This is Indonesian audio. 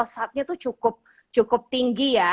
saatnya itu cukup tinggi ya